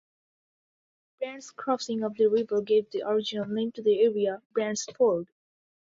Brant's crossing of the river gave the original name to the area: Brant's ford.